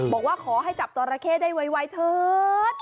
บอกว่าขอให้จับจอราเข้ได้ไวเถิด